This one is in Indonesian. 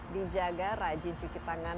dijaga rajin cuci tangan